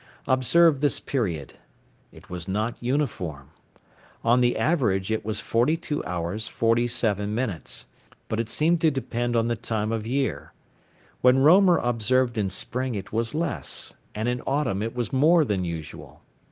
Observe this period. It was not uniform. On the average it was 42 hours 47 minutes, but it seemed to depend on the time of year. When Roemer observed in spring it was less, and in autumn it was more than usual.